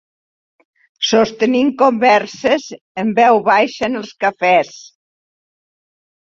Sostenint converses en veu baixa en els cafès